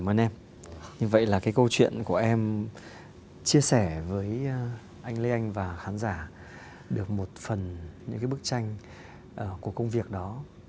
em muốn có không có cảm ơn em như vậy là cái câu chuyện của em chia sẻ với anh lê anh và khán giả được một phần những cái bức tranh của công việc đó